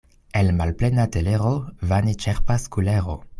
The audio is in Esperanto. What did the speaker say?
El malplena telero vane ĉerpas kulero.